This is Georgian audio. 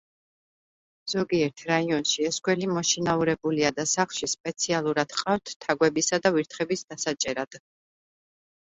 ზოგიერთ რაიონში ეს გველი მოშინაურებულია და სახლში სპეციალურად ჰყავთ თაგვებისა და ვირთხების დასაჭერად.